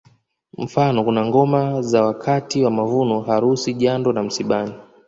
Mfano kuna ngoma za wakati wa mavuno harusi jando na msibani